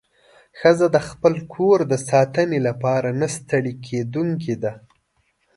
ښځه د خپل کور د ساتنې لپاره نه ستړې کېدونکې ده.